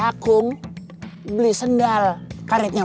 aku bersahaja lihat rudes bang